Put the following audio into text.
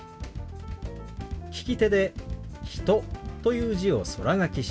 利き手で「人」という字を空書きします。